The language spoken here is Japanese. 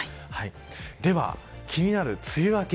では、気になる梅雨明け